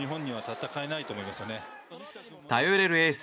頼れるエース